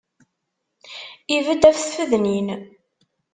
Ibedd af tfednin.